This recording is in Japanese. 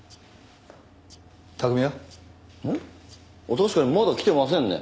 確かにまだ来てませんね。